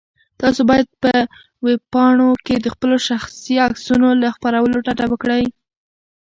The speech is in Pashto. تاسو باید په ویبپاڼو کې د خپلو شخصي عکسونو له خپرولو ډډه وکړئ.